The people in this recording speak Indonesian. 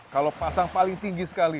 kalau pasang paling tinggi sekali